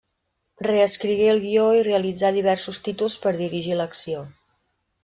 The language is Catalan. Reescrigué el guió i realitzà diversos títols per dirigir l'acció.